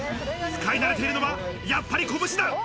使い慣れているのは、やっぱり拳だ。